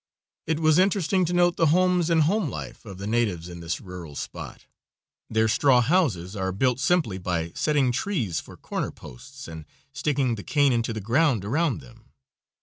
It was interesting to note the homes and home life of the natives in this rural spot; their straw houses are built simply by setting trees for corner posts and sticking the cane into the ground around them.